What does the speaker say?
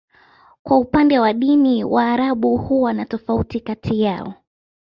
Kwa upande wa dini, Waarabu huwa na tofauti kati yao.